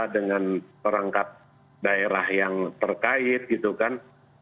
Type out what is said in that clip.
dengan perangkat daerah yang terkait gitu kan